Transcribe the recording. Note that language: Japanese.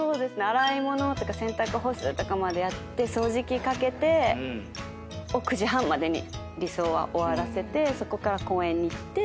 洗い物とか洗濯干すとかまでやって掃除機かけてを９時半までに理想は終わらせてそこから公園に行って。